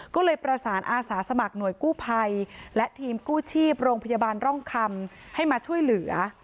ก็เลยประสานอาสาสมัครหน่วยกู้ภัยและทีมกู้ชีพโรงพยาบาลร่องคำให้มาช่วยเหลือ